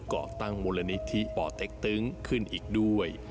เกาะตั้งมูลนิธิป่อเต็กตึงขึ้นอีกด้วย